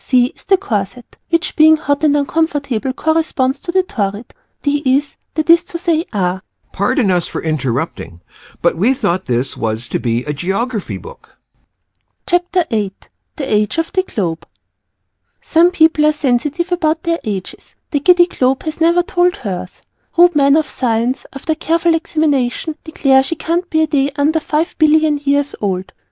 C. is the Corset, which being hot and uncomfortable corresponds to the Torrid. D. is that is to say are Pardon us for interrupting but we thought this was to be a geography book. The Reader. CHAPTER VIII THE AGE OF THE GLOBE [Illustration: THE NEW WORLD / THE OLD WORLD] Some people are sensitive about their ages. The Giddy Globe has never told us hers. Rude men of science, after careful examination, declare she can't be a day under five billion years old.